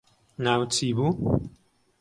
ناوت چی بوو